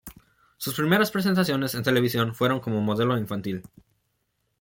Sus primeras presentaciones en televisión fueron como modelo infantil.